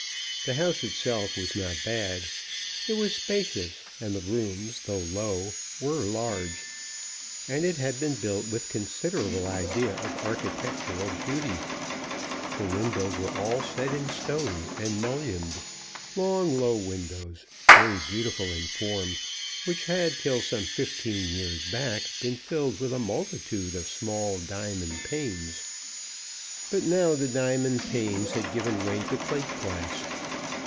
The house itself was not bad. It was spacious; and the rooms, though low, were large. And it had been built with considerable idea of architectural beauty. The windows were all set in stone and mullioned, long, low windows, very beautiful in form, which had till some fifteen years back been filled with a multitude of small diamond panes; but now the diamond panes had given way to plate glass.